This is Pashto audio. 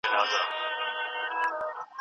ولي ملي بودیجه په نړیواله کچه ارزښت لري؟